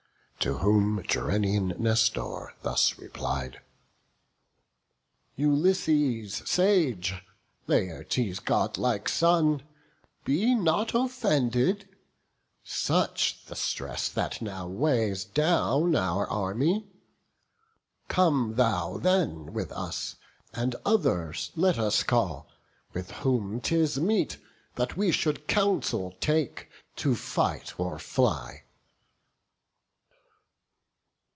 To whom Gerenian Nestor thus replied: "Ulysses sage, Laertes' godlike son, Be not offended; such the stress that now Weighs down our army; come thou then with us, And others let us call; with whom 'tis meet That we should counsel take, to fight or fly."